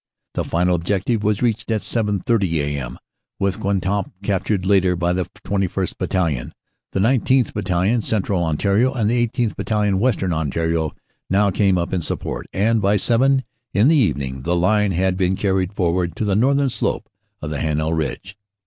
The final objective was reached at 7.30 a.m. with Guemappe captured later by the 21st. Battalion. The 19th. Battalion, Central Ontario, and the 18th. Battalion, Western Ontario, now came up in support and by seven in the evening the line had been carried forward to the northern slope of the Heninel Ridge.